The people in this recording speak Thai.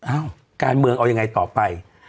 การเมืองเอายังไงต่อไป